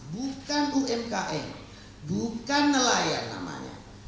bukan umkm bukan nelayan namanya